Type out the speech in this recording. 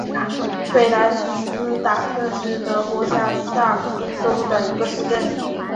弗赖斯塔特是德国下萨克森州的一个市镇。